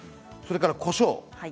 それから、こしょう。